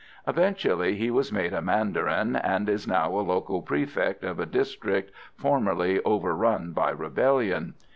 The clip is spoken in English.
Eventually, he was made a mandarin, and is now a local prefect of a district formerly overrun by rebellion.